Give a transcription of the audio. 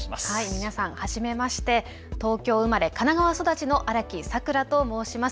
皆さん初めまして、東京生まれ、神奈川育ちの荒木さくらと申します。